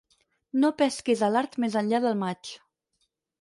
No pesquis a l'art més enllà del maig.